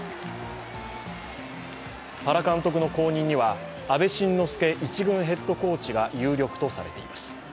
原監督の後任には阿部慎之助１軍ヘッドコーチが有力とされています。